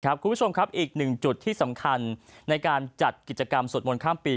คุณผู้ชมครับอีกหนึ่งจุดที่สำคัญในการจัดกิจกรรมสวดมนต์ข้ามปี